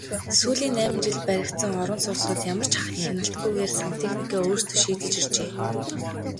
Сүүлийн найман жилд баригдсан орон сууцнууд ямар ч хяналтгүйгээр сантехникээ өөрсдөө шийдэж иржээ.